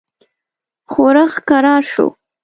ښورښ کرار شو.